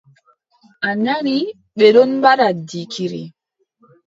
A nani, ɓe ɗon mbaɗa jikiri.